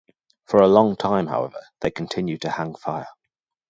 For a long time, however, they continue to hang fire.